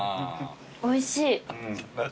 おいしい。